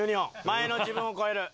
前の自分を超える？